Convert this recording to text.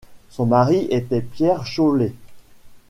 Son mari était Pierre Chaulet.